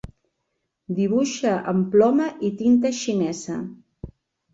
Dibuixa amb ploma i tinta xinesa.